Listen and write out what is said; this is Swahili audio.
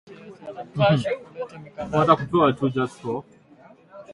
Serkali wa inchi yetu ana pashwa ku leta mikanda ya mpango